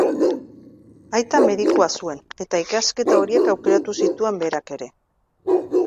Aita medikua zuen, eta ikasketa horiek aukeratu zituen berak ere.